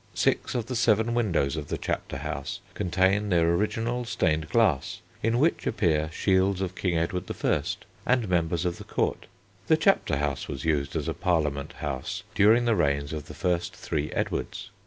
Six of the seven windows of the Chapter House contain their original stained glass, in which appear shields of King Edward I. and members of the Court. The Chapter House was used as a Parliament house during the reigns of the first three Edwards.